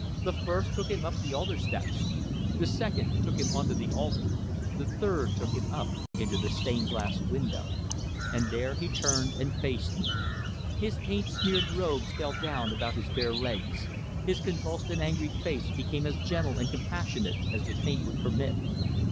The first took him up the altar steps; the second took him onto the altar; the third took him up into the stained glass window. And there he turned and faced me. His paint smeared robes fell down about his bare legs, his convulsed and angry face became as gentle and compassionate as the paint would permit.